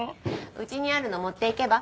うちにあるの持っていけば？